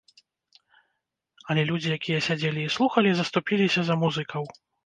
Але людзі, якія сядзелі і слухалі, заступіліся за музыкаў.